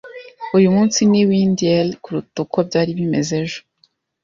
Uyu munsi ni windier kuruta uko byari bimeze ejo.